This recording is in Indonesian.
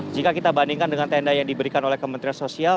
jika kita bandingkan dengan tenda yang diberikan oleh kementerian sosial